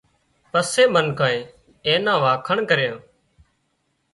پسي منکانئي اين نا وکاڻ ڪريان